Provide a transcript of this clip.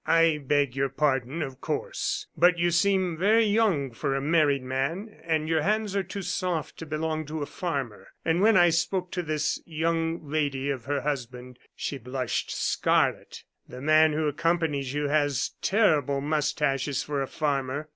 "I beg your pardon, of course, but you seem very young for a married man, and your hands are too soft to belong to a farmer. And when I spoke to this young lady of her husband, she blushed scarlet. The man who accompanies you has terrible mustaches for a farmer.